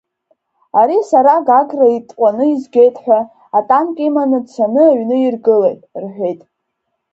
Ари сара Гагра итҟәаны изгеит ҳәа, атанк иманы дцаны аҩны иргылеит, рҳәеит.